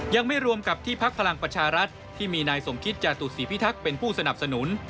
ยังไม่รวมกับที่พักพลังประชารัฐที่มีนายสมคิตจาตุศีพิทักษ์เป็นผู้สนับสนุน